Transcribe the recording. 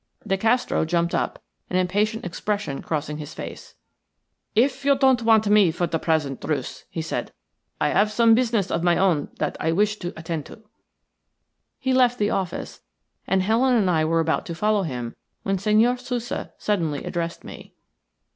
De Castro jumped up, an impatient expression crossing his face. "If you don't want me for the present, Druce," he said. "I have some business of my own that I wish to attend to." He left the office, and Helen and I were about to follow him when Senhor Sousa suddenly addressed me.